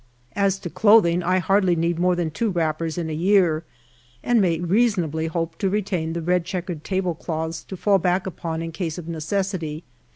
As to clothing, I hardly need more than two wrap pers in a year, and may reasonably hope to retain the red checkered tablecloths to fall back upon in case of necessity.